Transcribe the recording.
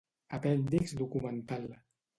Apèndix documental.